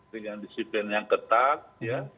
dengan disiplin yang ketat ya